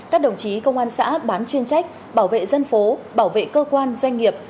các đồng chí công an xã bán chuyên trách bảo vệ dân phố bảo vệ cơ quan doanh nghiệp